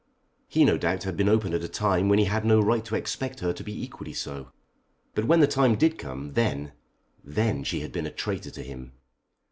He no doubt had been open at a time when he had no right to expect her to be equally so; but when the time did come then, then she had been a traitor to him.